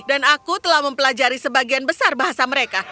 dan aku telah mempelajari sebagian besar bahasa mereka